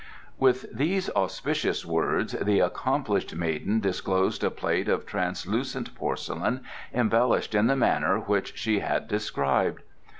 With these auspicious words the accomplished maiden disclosed a plate of translucent porcelain, embellished in the manner which she had described.